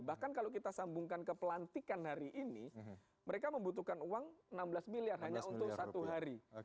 bahkan kalau kita sambungkan ke pelantikan hari ini mereka membutuhkan uang enam belas miliar hanya untuk satu hari